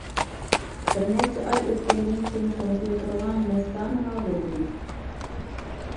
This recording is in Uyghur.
بىر نەچچە ئاي ئۆتكەندىن كېيىن كومپيۇتېرغا مەستانىلا بولدۇم.